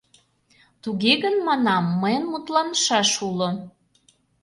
— Туге гын, манам, мыйын мутланышаш уло.